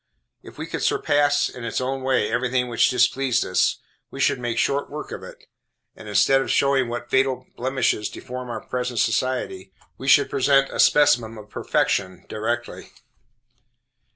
If we could surpass in its own way everything which displeased us, we should make short work of it, and instead of showing what fatal blemishes deform our present society, we should present a specimen of perfection, directly.